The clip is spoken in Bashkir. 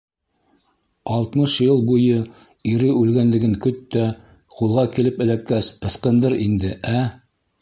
Алтмыш йыл буйы ире үлгәнлеген көт тә, ҡулға килеп эләккәс, ысҡындыр инде, ә?..